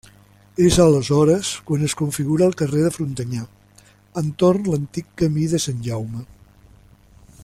És aleshores quan es configura el carrer de Frontanyà, entorn l'antic camí de Sant Jaume.